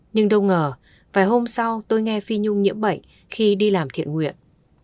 nhưng đau ngờ vài hôm sau tôi nghe phi nhung nhiễm bệnh khi đi làm thiện nguyện